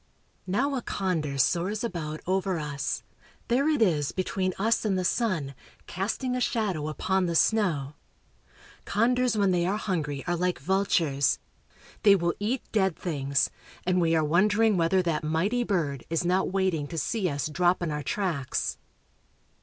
Now a condor soars about over us. There it is between us and the sun, casting a shadow upon the snow. Condors when they are hungry are like vultures; they will eat dead things, and we are wondering whether that mighty bird is not waiting to see us drop in our tracks.